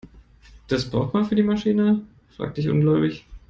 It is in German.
Das braucht man für die Maschine?, fragte ich ungläubig.